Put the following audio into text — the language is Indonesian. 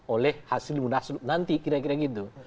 oleh hasil munaslup nanti kira kira gitu